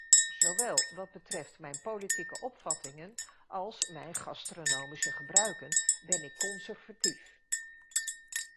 Zowel wat betreft mijn politieke opvattingen als mijn gastronomische gebruiken ben ik conservatief.